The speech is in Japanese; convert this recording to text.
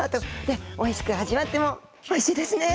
おいしく味わってもおいしいですね。